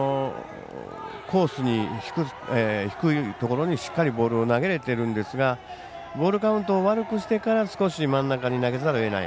コースに低いところにしっかりボールを投げられているんですがボールカウントを悪くしてから少し、真ん中に投げざるをえない。